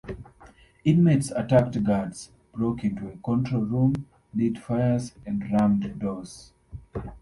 Inmates attacked guards, broke into a control room, lit fires and rammed doors.